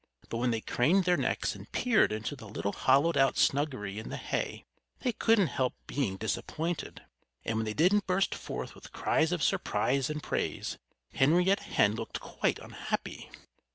But when they craned their necks and peered into the little hollowed out snuggery in the hay they couldn't help being disappointed. And when they didn't burst forth with cries of surprise and praise Henrietta Hen looked quite unhappy.